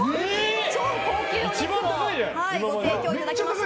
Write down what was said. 超高級お肉をご提供いただきました。